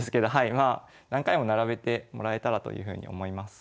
まあ何回も並べてもらえたらというふうに思います。